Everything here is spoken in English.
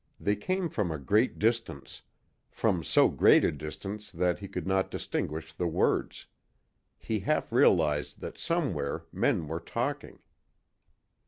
They came from a great distance from so great a distance that he could not distinguish the words. He half realized that somewhere, men were talking.